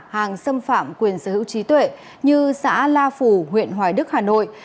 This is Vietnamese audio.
hàng xâm phạm quyền sở hữu trí tuệ như xã la phủ huyện hoài đức hà nội